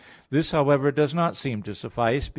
This, however, does not seem to suffice.